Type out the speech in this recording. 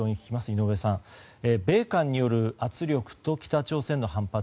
井上さん、米韓による圧力と北朝鮮の反発